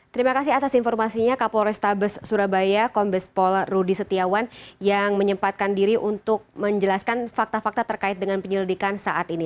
terima kasih atas informasinya kapol restabes surabaya kombespol rudy setiawan yang menyempatkan diri untuk menjelaskan fakta fakta terkait dengan penyelidikan saat ini